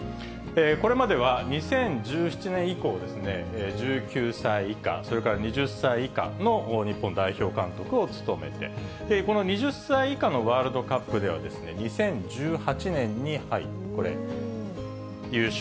これまでは２０１７年以降ですね、１９歳以下、それから２０歳以下の日本代表監督を務めて、この２０歳以下のワールドカップでは、２０１８年にこれ、優勝。